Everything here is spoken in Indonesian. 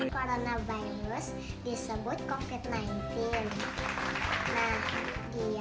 coronavirus disebut kok ke sembilan belas